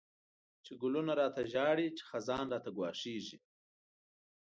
چی ګلونه ړاته ژاړی، چی خزان راته ګواښيږی